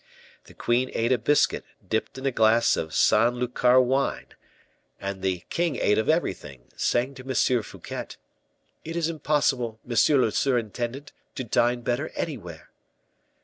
The queen ate a biscuit dipped in a glass of San Lucar wine; and the king ate of everything, saying to M. Fouquet: "It is impossible, monsieur le surintendant, to dine better anywhere."